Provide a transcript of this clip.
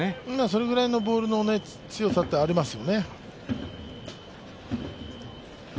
それぐらいのボールの強さって、ありますよね。